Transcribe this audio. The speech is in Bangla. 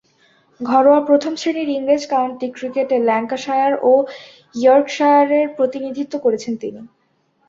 ঘরোয়া প্রথম-শ্রেণীর ইংরেজ কাউন্টি ক্রিকেটে ল্যাঙ্কাশায়ার ও ইয়র্কশায়ারের প্রতিনিধিত্ব করেছেন তিনি।